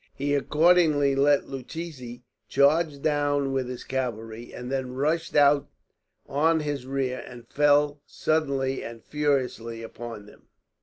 He accordingly let Lucchesi charge down with his cavalry, and then rushed out on his rear, and fell suddenly and furiously upon him.